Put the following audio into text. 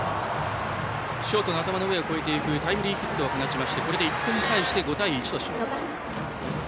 ショートの頭を上を越えていくタイムリーヒットを放ちましてこれで１点返して５対１とします。